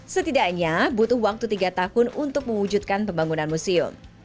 setidaknya butuh waktu tiga tahun untuk mewujudkan pembangunan museum